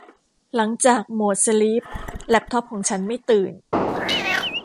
หลังจากโหมดสลีปแลปท็อปของฉันไม่ตื่น